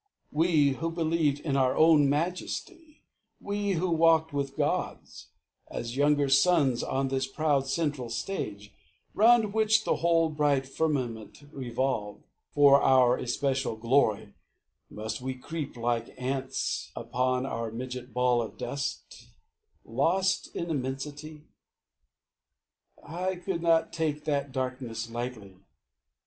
We who believed In our own majesty, we who walked with gods As younger sons on this proud central stage, Round which the whole bright firmament revolved For our especial glory, must we creep Like ants upon our midget ball of dust Lost in immensity? I could not take That darkness lightly.